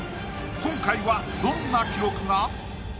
今回はどんな記録が⁉